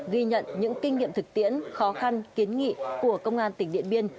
ghi nhận những kinh nghiệm thực tiễn khó khăn kiến nghị của công an tỉnh điện biên